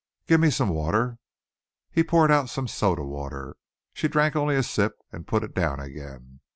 "Give me some water." He poured out some soda water. She drank only a sip and put it down again.